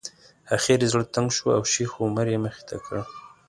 اخر یې زړه تنګ شو او شیخ عمر یې مخې ته کړ.